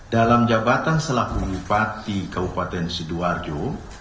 dalam jabatan selaku bupati kabupaten sidoarjo